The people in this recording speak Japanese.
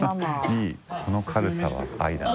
いいこの軽さは愛だな。